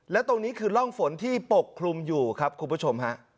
และตรงนี้คือร่องฝนที่ปกคลุมอยู่ครับคุณผู้ชมฮะ